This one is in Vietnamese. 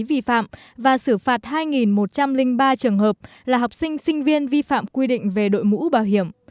vi phạm và xử phạt hai một trăm linh ba trường hợp là học sinh sinh viên vi phạm quy định về đội mũ bảo hiểm